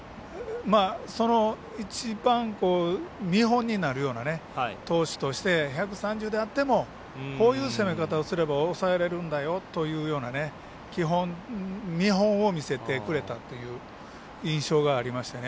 その一番、見本になるような投手として、１３０であってもこういう攻め方をすれば抑えられるんだよという見本を見せてくれたという印象がありましたね。